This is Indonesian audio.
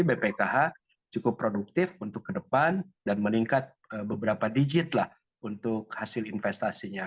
bpkh cukup produktif untuk ke depan dan meningkat beberapa digit lah untuk hasil investasinya